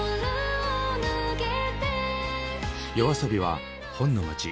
ＹＯＡＳＯＢＩは本の街